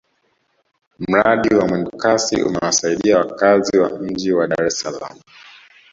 mradi wa mwendokasi umewasaidia wakazi wa mji wa dar es salaam